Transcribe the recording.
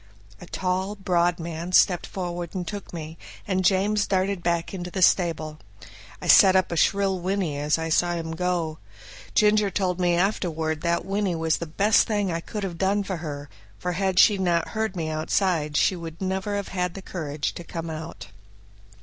A tall, broad man stepped forward and took me, and James darted back into the stable. I set up a shrill whinny as I saw him go. Ginger told me afterward that whinny was the best thing I could have done for her, for had she not heard me outside she would never have had courage to come out.